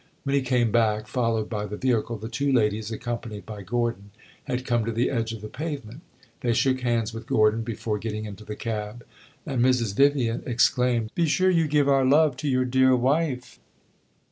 When he came back, followed by the vehicle, the two ladies, accompanied by Gordon, had come to the edge of the pavement. They shook hands with Gordon before getting into the cab, and Mrs. Vivian exclaimed "Be sure you give our love to your dear wife!"